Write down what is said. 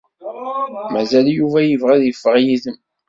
Mazal Yuba yebɣa ad iffeɣ yid-m.